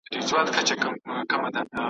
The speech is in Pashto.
څه بې وسي ده او څه زه بلا وهلی یمه